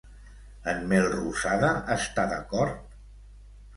En Melrosada està d'acord?